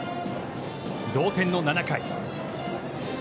同点の７回。